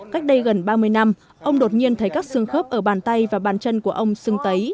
cách đây gần ba mươi năm ông đột nhiên thấy các xương khớp ở bàn tay và bàn chân của ông xưng tấy